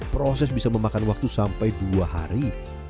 proses bisa memakan waktu sampai dua hari